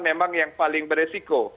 memang yang paling beresiko